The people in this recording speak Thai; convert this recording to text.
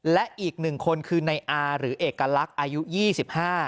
และอีกหนึ่งคนคือในอาหรือเอกลักษณ์อายุยี่สิบห้า